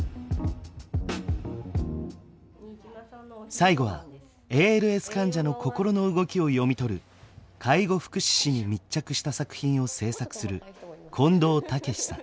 最後はＡＬＳ患者の心の動きを読み取る介護福祉士に密着した作品を制作する近藤剛さん。